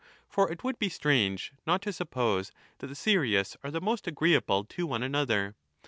"^ For it would be strange not to suppose that the .serious are the most agreeable to one another.